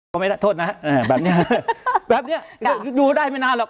ก็ไม่ได้โทษนะฮะแบบนี้แบบนี้ดูได้ไม่นานหรอก